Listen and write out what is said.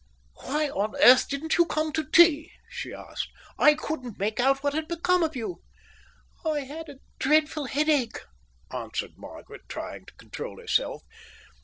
"Why on earth didn't you come to tea?" she asked. "I couldn't make out what had become of you." "I had a dreadful headache," answered Margaret, trying to control herself.